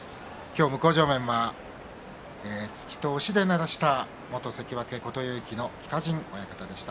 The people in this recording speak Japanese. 向正面は突きと押しでならした元関脇琴勇輝の北陣親方でした。